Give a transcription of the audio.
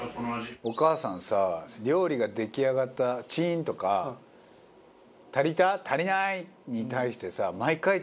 お母さんさ料理が出来上がった「チーン」とか「足りた？」「足りない」に対してさ。